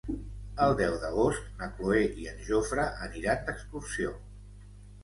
El deu d'agost na Cloè i en Jofre aniran d'excursió.